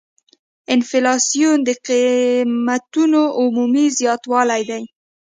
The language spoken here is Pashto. انفلاسیون د قیمتونو عمومي زیاتوالی دی.